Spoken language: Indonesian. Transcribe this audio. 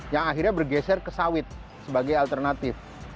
yang akhirnya bergeser ke sawit sebagai alternatif